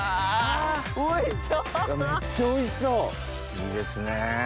いいですね！